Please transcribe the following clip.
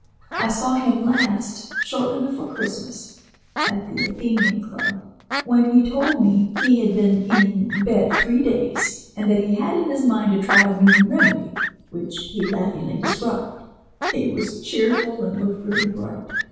I saw him last shortly before Christmas, at the Athenæum Club, when he told me he had been in bed three days, and that he had it in his mind to try a new remedy, which he laughingly described. He was cheerful, and looked very bright.